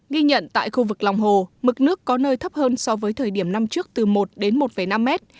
ghi nhận tại khu vực lòng hồ mực nước có nơi thấp hơn so với thời điểm năm trước từ một đến một năm mét